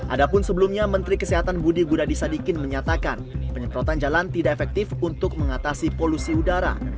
adapun sebelumnya menteri kesehatan budi gunadisadikin menyatakan penyemprotan jalan tidak efektif untuk mengatasi polusi udara